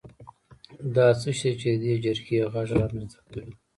دا څه شی دی چې د دې جرقې غږ رامنځته کوي؟